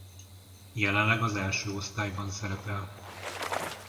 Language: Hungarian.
Jelenleg az első osztályban szerepel.